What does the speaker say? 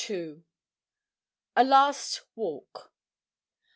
A LAST WALK.